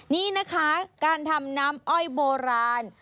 นี่นะคะการทำน้ำอ้อยโบราณ